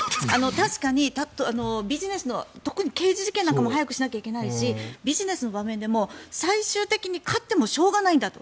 確かにビジネスの特に刑事事件なんかも早くしないといけないしビジネスの場面でも最終的に勝ってもしょうがないんだと。